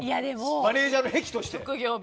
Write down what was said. マネジャーの癖として。